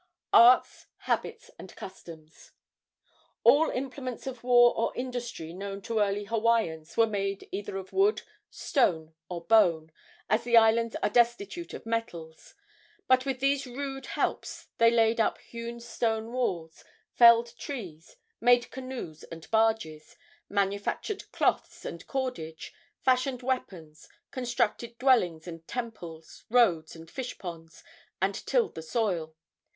ARTS, HABITS AND CUSTOMS. All implements of war or industry known to the early Hawaiians were made either of wood, stone, or bone, as the islands are destitute of metals; but with these rude helps they laid up hewn stone walls, felled trees, made canoes and barges, manufactured cloths and cordage, fashioned weapons, constructed dwellings and temples, roads and fish ponds, and tilled the soil.